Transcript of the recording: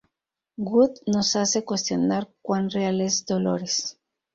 Wood nos hace cuestionar cuán real es Dolores".